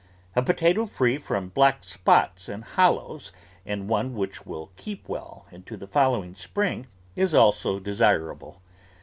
A potato free from black spots and hollows, and one which will keep well into the following spring, is also desirable.